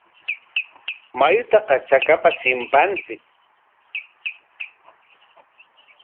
Mayutaqa chakapa chimpanchik.